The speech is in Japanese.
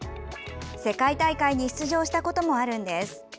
世界大会に出場したこともあるんです。